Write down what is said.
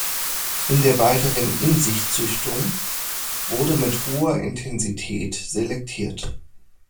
In der weiteren Insich-Züchtung wurde mit hoher Intensität selektiert.